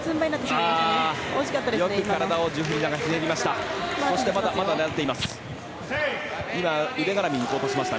よく体をジュフリダがひねりました。